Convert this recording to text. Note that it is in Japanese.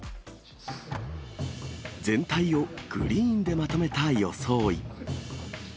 全体をグリーンでまとめた装い。